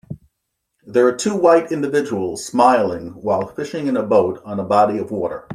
There are two white individuals smiling while fishing in a boat on a body of water.